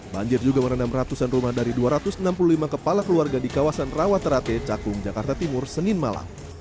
banjir juga merendam ratusan rumah dari dua ratus enam puluh lima kepala keluarga di kawasan rawaterate cakung jakarta timur senin malam